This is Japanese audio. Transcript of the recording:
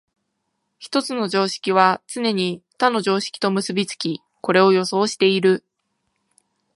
一つの常識はつねに他の常識と結び付き、これを予想している。